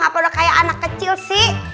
apa udah kayak anak kecil sih